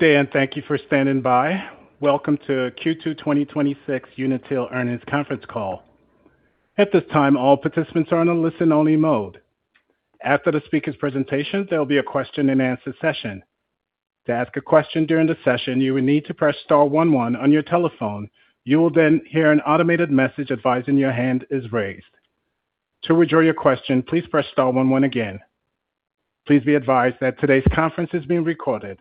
Good day, and thank you for standing by. Welcome to Q2 2026 Unitil Earnings Conference Call. At this time, all participants are in a listen-only mode. After the speaker's presentation, there will be a question-and-answer session. To ask a question during the session, you will need to press star one one on your telephone. You will then hear an automated message advising your hand is raised. To withdraw your question, please press star one one again. Please be advised that today's conference is being recorded.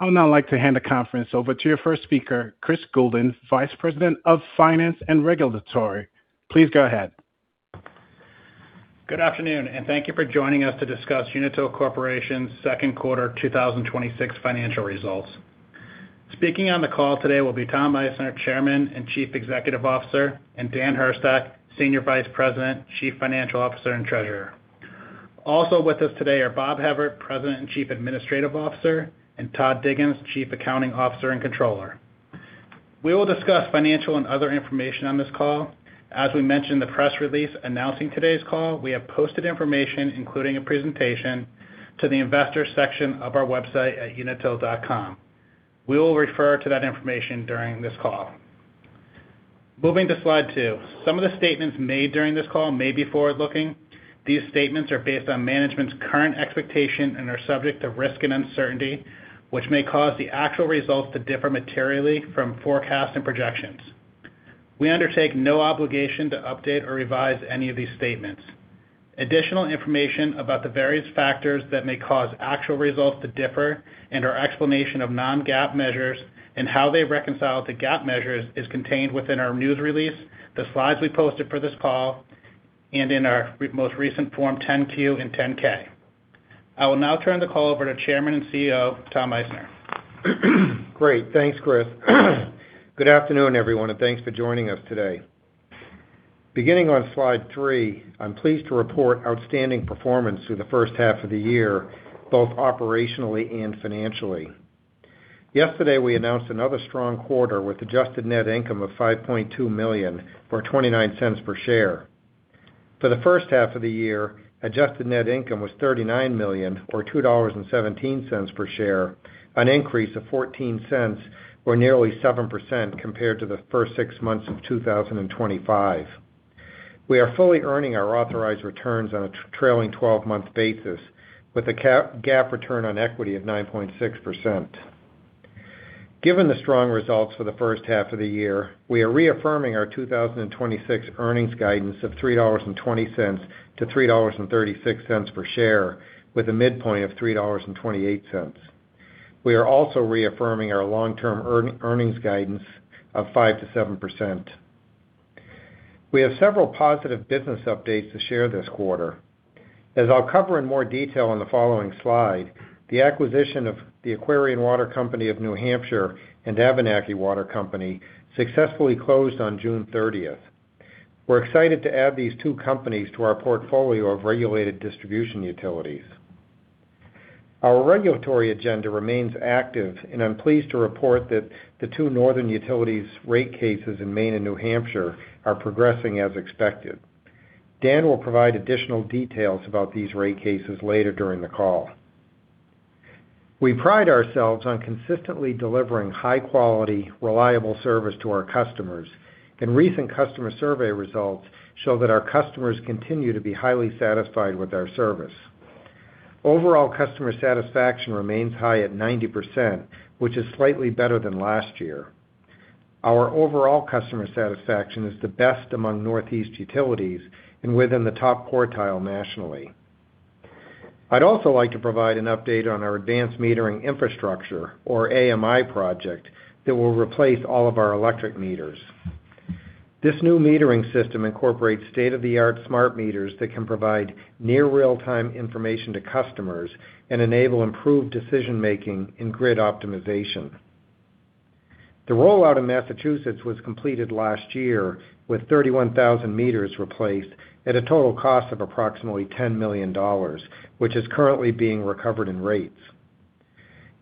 I would now like to hand the conference over to your first speaker, Chris Goulding, Vice President of Finance and Regulatory. Please go ahead. Good afternoon, and thank you for joining us to discuss Unitil Corporation's second quarter 2026 financial results. Speaking on the call today will be Tom Meissner, Chairman and Chief Executive Officer, and Dan Hurstak, Senior Vice President, Chief Financial Officer, and Treasurer. Also with us today are Bob Hebert, President and Chief Administrative Officer, and Todd Diggins, Chief Accounting Officer and Controller. We will discuss financial and other information on this call. As we mentioned the press release announcing today's call, we have posted information, including a presentation to the investor section of our website at unitil.com. We will refer to that information during this call. Moving to slide two. Some of the statements made during this call may be forward-looking. These statements are based on management's current expectation and are subject to risk and uncertainty, which may cause the actual results to differ materially from forecasts and projections. We undertake no obligation to update or revise any of these statements. Additional information about the various factors that may cause actual results to differ, and our explanation of non-GAAP measures and how they reconcile to GAAP measures is contained within our news release, the slides we posted for this call, and in our most recent Form 10-Q and 10-K. I will now turn the call over to Chairman and CEO, Tom Meissner. Great. Thanks, Chris. Good afternoon, everyone, and thanks for joining us today. Beginning on slide three, I am pleased to report outstanding performance through the first half of the year, both operationally and financially. Yesterday, we announced another strong quarter with adjusted net income of $5.2 million, or $0.29 per share. For the first half of the year, adjusted net income was $39 million or $2.17 per share, an increase of $0.14 or nearly 7% compared to the first six months of 2025. We are fully earning our authorized returns on a trailing 12-month basis with a GAAP return on equity of 9.6%. Given the strong results for the first half of the year, we are reaffirming our 2026 earnings guidance of $3.20 to $3.36 per share with a midpoint of $3.28. We are also reaffirming our long-term earnings guidance of 5%-7%. We have several positive business updates to share this quarter. As I'll cover in more detail on the following slide, the acquisition of the Aquarion Water Company of New Hampshire and Abenaki Water Company successfully closed on June 30th. We're excited to add these two companies to our portfolio of regulated distribution utilities. Our regulatory agenda remains active, and I'm pleased to report that the two Northern Utilities rate cases in Maine and New Hampshire are progressing as expected. Dan will provide additional details about these rate cases later during the call. We pride ourselves on consistently delivering high-quality, reliable service to our customers. Recent customer survey results show that our customers continue to be highly satisfied with our service. Overall customer satisfaction remains high at 90%, which is slightly better than last year. Our overall customer satisfaction is the best among Northeast utilities and within the top quartile nationally. I'd also like to provide an update on our advanced metering infrastructure or AMI project that will replace all of our electric meters. This new metering system incorporates state-of-the-art smart meters that can provide near real-time information to customers and enable improved decision-making and grid optimization. The rollout in Massachusetts was completed last year with 31,000 m replaced at a total cost of approximately $10 million, which is currently being recovered in rates.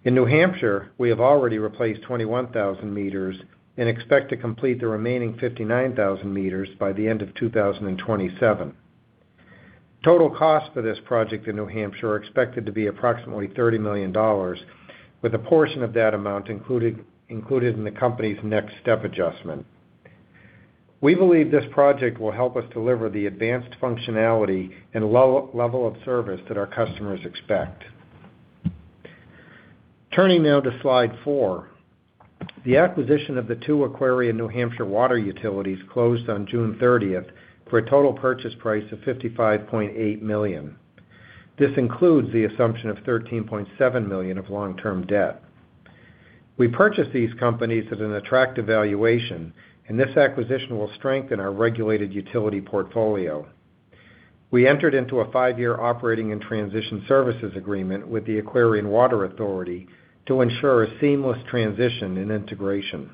In New Hampshire, we have already replaced 21,000 m and expect to complete the remaining 59,000 m by the end of 2027. Total costs for this project in New Hampshire are expected to be approximately $30 million, with a portion of that amount included in the company's next step adjustment. We believe this project will help us deliver the advanced functionality and level of service that our customers expect. Turning now to slide four. The acquisition of the two Aquarion New Hampshire water utilities closed on June 30th for a total purchase price of $55.8 million. This includes the assumption of $13.7 million of long-term debt. We purchased these companies at an attractive valuation. This acquisition will strengthen our regulated utility portfolio. We entered into a five-year operating and transition services agreement with the Aquarion Water Authority to ensure a seamless transition and integration.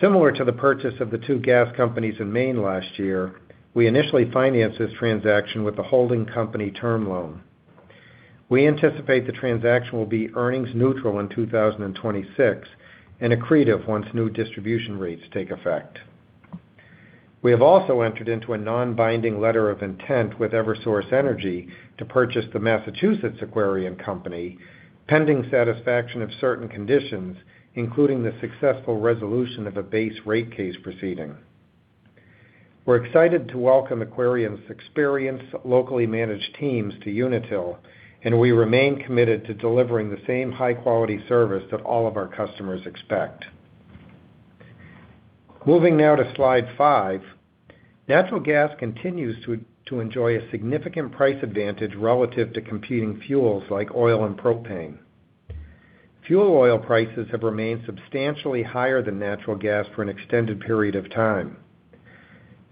Similar to the purchase of the two gas companies in Maine last year, we initially financed this transaction with a holding company term loan. We anticipate the transaction will be earnings neutral in 2026 and accretive once new distribution rates take effect. We have also entered into a non-binding letter of intent with Eversource Energy to purchase the Massachusetts Aquarion company, pending satisfaction of certain conditions, including the successful resolution of a base rate case proceeding. We're excited to welcome Aquarion's experienced, locally managed teams to Unitil. We remain committed to delivering the same high-quality service that all of our customers expect. Moving now to slide five. Natural gas continues to enjoy a significant price advantage relative to competing fuels like oil and propane. Fuel oil prices have remained substantially higher than natural gas for an extended period of time.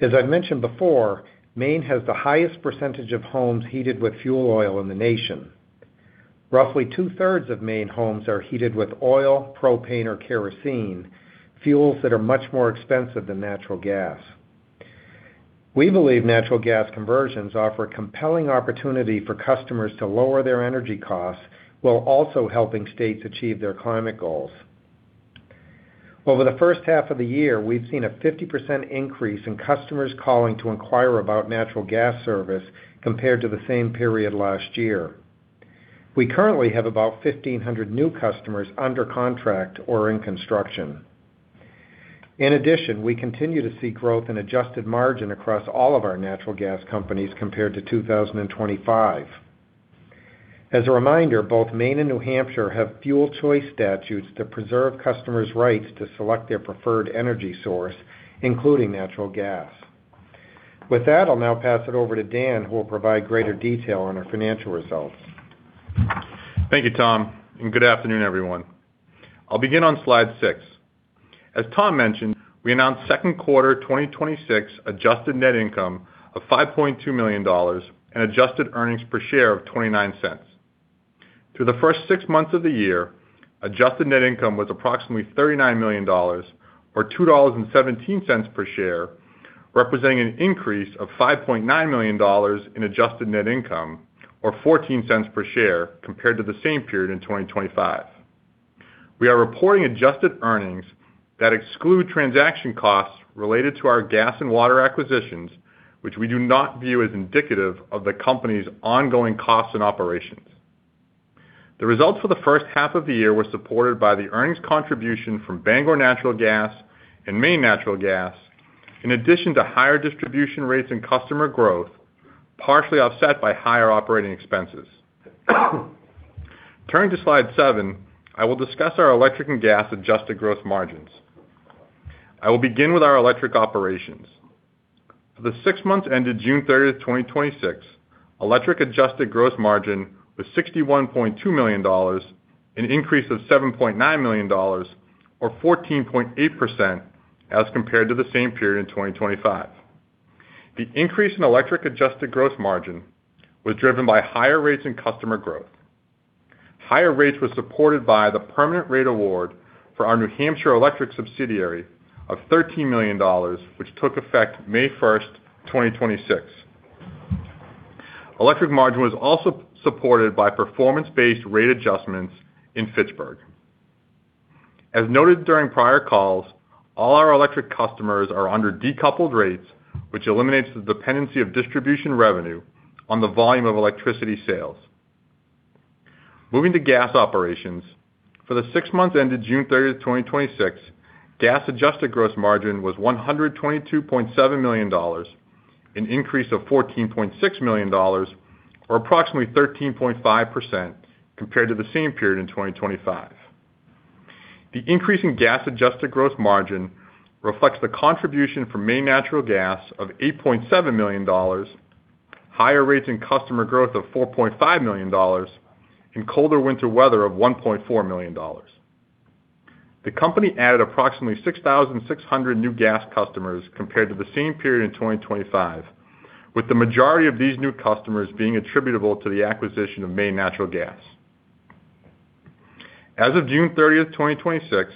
As I've mentioned before, Maine has the highest percentage of homes heated with fuel oil in the nation. Roughly 2/3 of Maine homes are heated with oil, propane, or kerosene. Fuels that are much more expensive than natural gas. We believe natural gas conversions offer a compelling opportunity for customers to lower their energy costs while also helping states achieve their climate goals. Over the first half of the year, we've seen a 50% increase in customers calling to inquire about natural gas service compared to the same period last year. We currently have about 1,500 new customers under contract or in construction. In addition, we continue to see growth in adjusted margin across all of our natural gas companies compared to 2025. As a reminder, both Maine and New Hampshire have fuel choice statutes that preserve customers' rights to select their preferred energy source, including natural gas. With that, I'll now pass it over to Dan, who will provide greater detail on our financial results. Thank you, Tom. Good afternoon, everyone. I'll begin on slide six. As Tom mentioned, we announced second quarter 2026 adjusted net income of $5.2 million and adjusted earnings per share of $0.29. Through the first six months of the year, adjusted net income was approximately $39 million, or $2.17 per share, representing an increase of $5.9 million in adjusted net income or $0.14 per share compared to the same period in 2025. We are reporting adjusted earnings that exclude transaction costs related to our gas and water acquisitions, which we do not view as indicative of the company's ongoing costs and operations. The results for the first half of the year were supported by the earnings contribution from Bangor Natural Gas and Maine Natural Gas, in addition to higher distribution rates and customer growth, partially offset by higher operating expenses. Turning to slide seven, I will discuss our electric and gas adjusted gross margins. I will begin with our electric operations. For the six months ended June 30th, 2026, electric adjusted gross margin was $61.2 million, an increase of $7.9 million, or 14.8% as compared to the same period in 2025. The increase in electric adjusted gross margin was driven by higher rates and customer growth. Higher rates were supported by the permanent rate award for our New Hampshire Electric subsidiary of $13 million, which took effect May 1st, 2026. Electric margin was also supported by performance-based rate adjustments in Fitchburg. As noted during prior calls, all our electric customers are under decoupled rates, which eliminates the dependency of distribution revenue on the volume of electricity sales. Moving to gas operations. For the six months ended June 30th, 2026, gas adjusted gross margin was $122.7 million, an increase of $14.6 million, or approximately 13.5% compared to the same period in 2025. The increase in gas adjusted gross margin reflects the contribution from Maine Natural Gas of $8.7 million, higher rates and customer growth of $4.5 million, and colder winter weather of $1.4 million. The company added approximately 6,600 new gas customers compared to the same period in 2025, with the majority of these new customers being attributable to the acquisition of Maine Natural Gas. As of June 30th, 2026,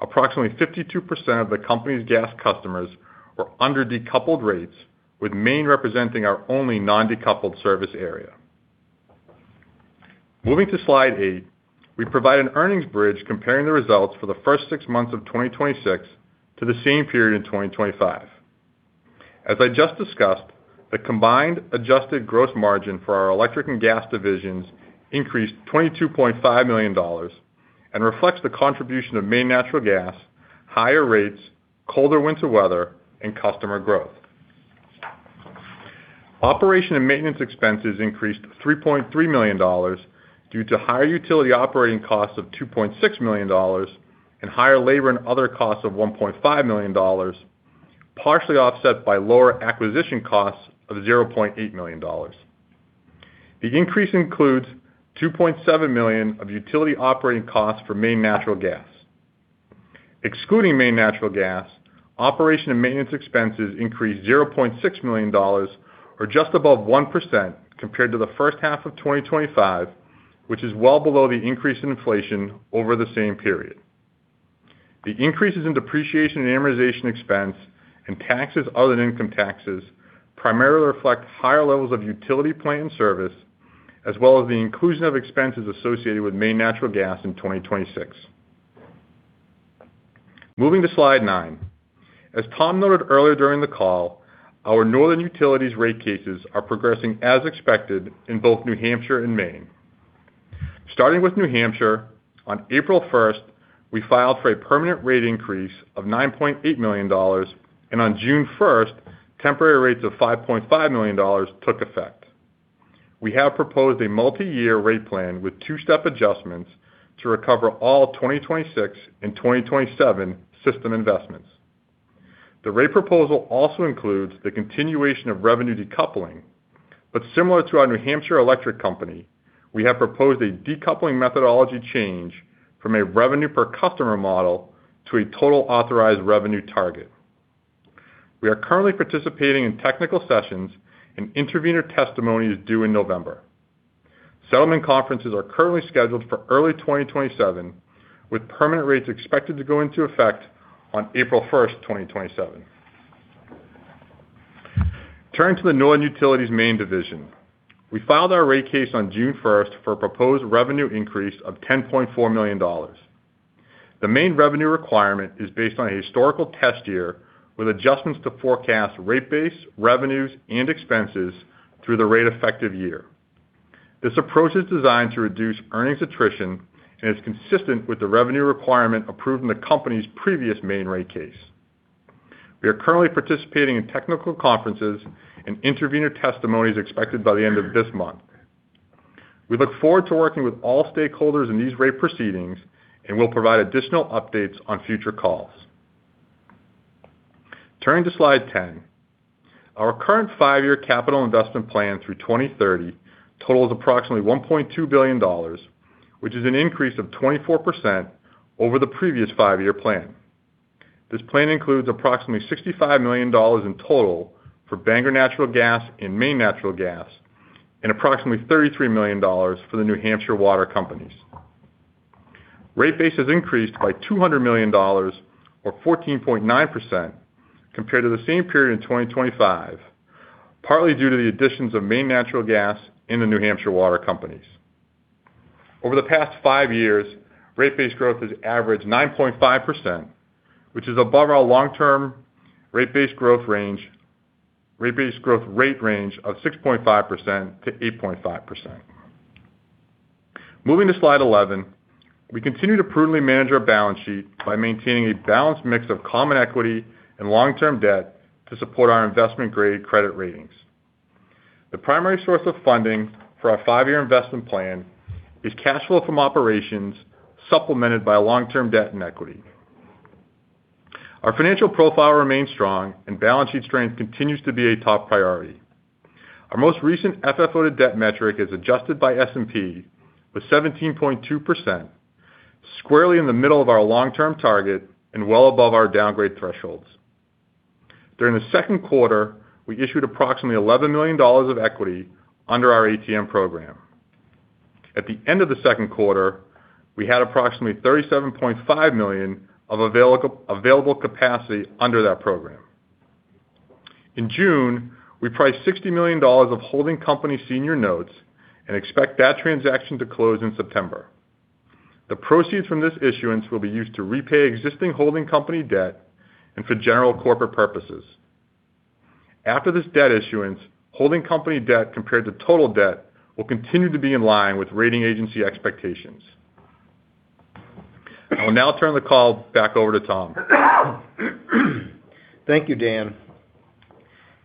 approximately 52% of the company's gas customers were under decoupled rates, with Maine representing our only non-decoupled service area. Moving to slide eight, we provide an earnings bridge comparing the results for the first six months of 2026 to the same period in 2025. As I just discussed, the combined adjusted gross margin for our electric and gas divisions increased $22.5 million and reflects the contribution of Maine Natural Gas, higher rates, colder winter weather, and customer growth. Operation and maintenance expenses increased $3.3 million due to higher utility operating costs of $2.6 million and higher labor and other costs of $1.5 million, partially offset by lower acquisition costs of $0.8 million. The increase includes $2.7 million of utility operating costs for Maine Natural Gas. Excluding Maine Natural Gas, operation and maintenance expenses increased $0.6 million, or just above 1% compared to the first half of 2025, which is well below the increase in inflation over the same period. The increases in depreciation and amortization expense and taxes other than income taxes primarily reflect higher levels of utility plant in service, as well as the inclusion of expenses associated with Maine Natural Gas in 2026. Moving to slide nine. As Tom noted earlier during the call, our Northern Utilities rate cases are progressing as expected in both New Hampshire and Maine. Starting with New Hampshire, on April 1st, we filed for a permanent rate increase of $9.8 million, and on June 1st, temporary rates of $5.5 million took effect. We have proposed a multi-year rate plan with two-step adjustments to recover all 2026 and 2027 system investments. The rate proposal also includes the continuation of revenue decoupling, but similar to our New Hampshire electric company, we have proposed a decoupling methodology change from a revenue-per-customer model to a total authorized revenue target. We are currently participating in technical sessions, and intervener testimony is due in November. Settlement conferences are currently scheduled for early 2027, with permanent rates expected to go into effect on April 1st, 2027. Turning to the Northern Utilities Maine division. We filed our rate case on June 1st for a proposed revenue increase of $10.4 million. The Maine revenue requirement is based on a historical test year with adjustments to forecast rate base, revenues, and expenses through the rate effective year. This approach is designed to reduce earnings attrition and is consistent with the revenue requirement approved in the company's previous Maine rate case. We are currently participating in technical conferences, and intervener testimony is expected by the end of this month. We look forward to working with all stakeholders in these rate proceedings, and we'll provide additional updates on future calls. Turning to slide 10. Our current five-year capital investment plan through 2030 totals approximately $1.2 billion, which is an increase of 24% over the previous five-year plan. This plan includes approximately $65 million in total for Bangor Natural Gas and Maine Natural Gas, and approximately $33 million for the New Hampshire water companies. Rate base has increased by $200 million, or 14.9%, compared to the same period in 2025, partly due to the additions of Maine Natural Gas and the New Hampshire water companies. Over the past five years, rate base growth has averaged 9.5%, which is above our long-term rate base growth rate range of 6.5%-8.5%. Moving to slide 11. We continue to prudently manage our balance sheet by maintaining a balanced mix of common equity and long-term debt to support our investment-grade credit ratings. The primary source of funding for our five-year investment plan is cash flow from operations, supplemented by long-term debt and equity. Our financial profile remains strong, and balance sheet strength continues to be a top priority. Our most recent FFO-to-debt metric is adjusted by S&P with 17.2%, squarely in the middle of our long-term target and well above our downgrade thresholds. During the second quarter, we issued approximately $11 million of equity under our ATM program. At the end of the second quarter, we had approximately $37.5 million of available capacity under that program. In June, we priced $60 million of holding company senior notes and expect that transaction to close in September. The proceeds from this issuance will be used to repay existing holding company debt and for general corporate purposes. After this debt issuance, holding company debt compared to total debt will continue to be in line with rating agency expectations. I will now turn the call back over to Tom. Thank you, Dan.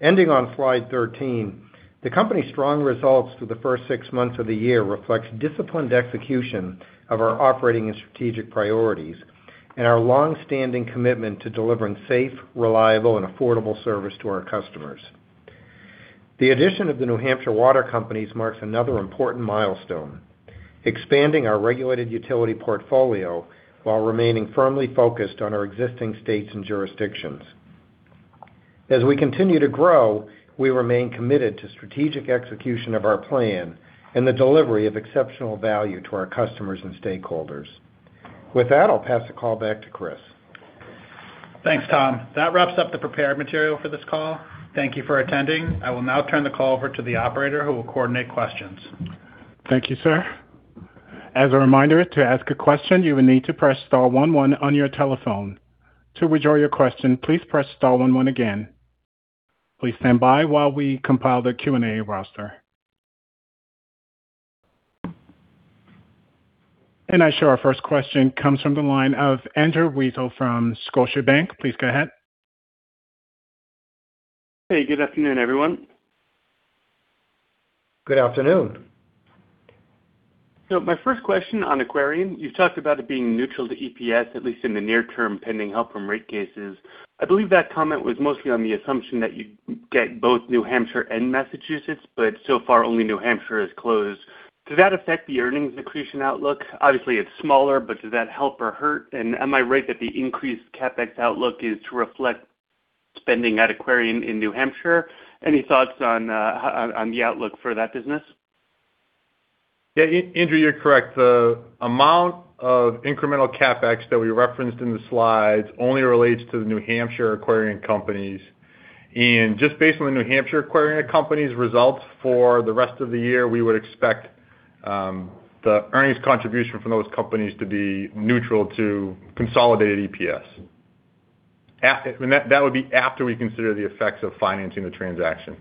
Ending on slide 13. The company's strong results through the first six months of the year reflects disciplined execution of our operating and strategic priorities and our long-standing commitment to delivering safe, reliable, and affordable service to our customers. The addition of the New Hampshire water companies marks another important milestone, expanding our regulated utility portfolio while remaining firmly focused on our existing states and jurisdictions. As we continue to grow, we remain committed to strategic execution of our plan and the delivery of exceptional value to our customers and stakeholders. With that, I'll pass the call back to Chris. Thanks, Tom. That wraps up the prepared material for this call. Thank you for attending. I will now turn the call over to the operator, who will coordinate questions. Thank you, sir. As a reminder, to ask a question, you will need to press star one one on your telephone. To withdraw your question, please press star one one again. Please stand by while we compile the Q&A roster. I show our first question comes from the line of Andrew Weisel from Scotiabank. Please go ahead. Hey, good afternoon, everyone. Good afternoon. My first question on Aquarion, you've talked about it being neutral to EPS, at least in the near term, pending help from rate cases. I believe that comment was mostly on the assumption that you'd get both New Hampshire and Massachusetts, but so far only New Hampshire has closed. Does that affect the earnings accretion outlook? Obviously, it's smaller, but does that help or hurt? Am I right that the increased CapEx outlook is to reflect spending at Aquarion in New Hampshire? Any thoughts on the outlook for that business? Andrew, you're correct. The amount of incremental CapEx that we referenced in the slides only relates to the New Hampshire Aquarion companies. Just based on the New Hampshire Aquarion companies' results for the rest of the year, we would expect the earnings contribution from those companies to be neutral to consolidated EPS. That would be after we consider the effects of financing the transaction.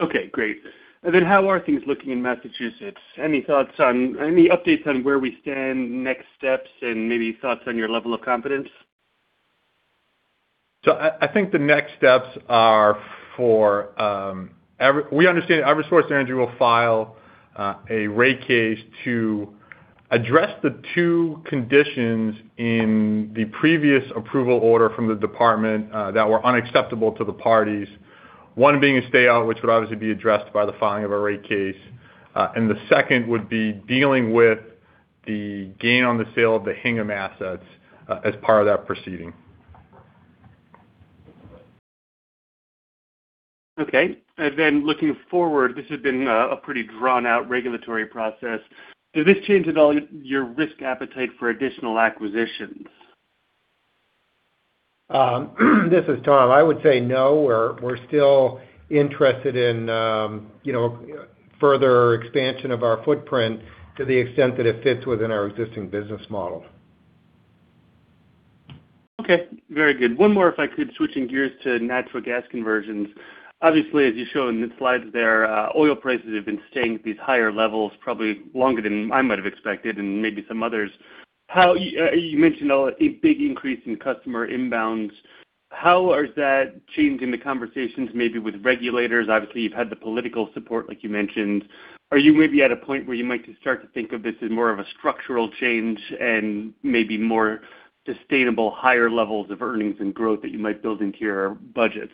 Okay, great. How are things looking in Massachusetts? Any updates on where we stand, next steps, and maybe thoughts on your level of confidence? I think the next steps are, we understand Eversource Energy will file a rate case to address the two conditions in the previous approval order from the department that were unacceptable to the parties. One being a stay-out, which would obviously be addressed by the filing of a rate case. The second would be dealing with the gain on the sale of the Hingham assets as part of that proceeding. Okay. Looking forward, this has been a pretty drawn-out regulatory process. Does this change at all your risk appetite for additional acquisitions? This is Tom. I would say no. We're still interested in further expansion of our footprint to the extent that it fits within our existing business model. Okay, very good. One more if I could. Switching gears to natural gas conversions. Obviously, as you show in the slides there, oil prices have been staying at these higher levels probably longer than I might have expected and maybe some others. You mentioned a big increase in customer inbounds. How is that changing the conversations maybe with regulators? Obviously, you've had the political support, like you mentioned. Are you maybe at a point where you might start to think of this as more of a structural change and maybe more sustainable higher levels of earnings and growth that you might build into your budgets?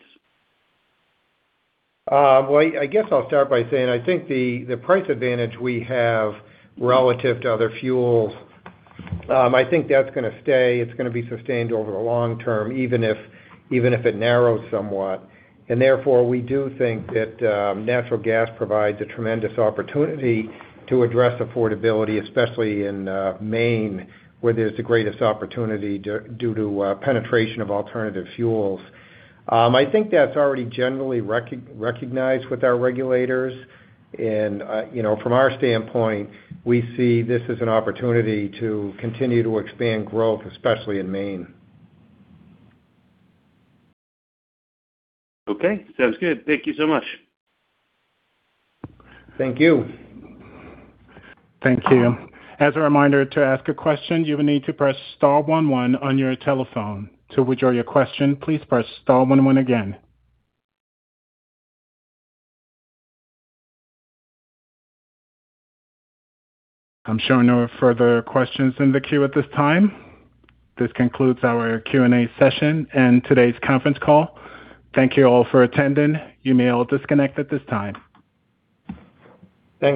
Well, I guess I'll start by saying, I think the price advantage we have relative to other fuels, I think that's going to stay. It's going to be sustained over the long term, even if it narrows somewhat. Therefore, we do think that natural gas provides a tremendous opportunity to address affordability, especially in Maine, where there's the greatest opportunity due to penetration of alternative fuels. I think that's already generally recognized with our regulators. From our standpoint, we see this as an opportunity to continue to expand growth, especially in Maine. Okay, sounds good. Thank you so much. Thank you. Thank you. As a reminder, to ask a question, you will need to press star one one on your telephone. To withdraw your question, please press star one one again. I'm showing no further questions in the queue at this time. This concludes our Q&A session and today's conference call. Thank you all for attending. You may all disconnect at this time. Thank you.